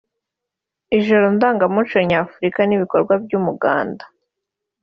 Ijoro ndangamuco nyafurika n’ibikorwa by’Umuganda